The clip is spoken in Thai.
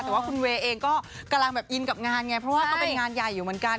แต่ว่าคุณเวย์เองก็กำลังแบบอินกับงานไงเพราะว่าก็เป็นงานใหญ่อยู่เหมือนกัน